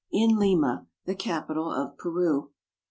IN LIMA, THE CAPITAL OF PERU.